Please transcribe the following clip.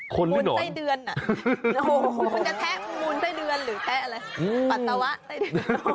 คนหรือหน่อยโอ้โฮคุณจะแทะหมุนไส้เดือนหรือแทะอะไรปัตตาวะไส้เดือน